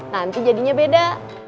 nanti jadinya beda